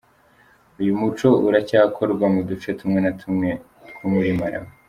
Uyu muco uracyakorwa mu duce tumwe na tumwe two muri Malawi.